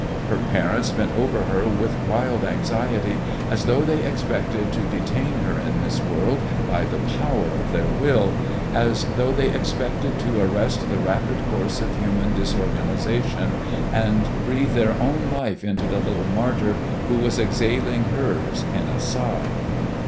Her parents bent over her with wild anxiety, as though they expected to detain her in this world by the power of their will, as though they expected to arrest the rapid course of human disorganization, and breathe their own life into the little martyr, who was exhaling hers in a sigh.